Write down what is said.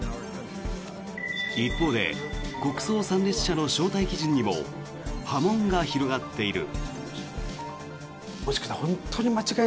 一方で国葬参列者の招待基準にも波紋が広がっている。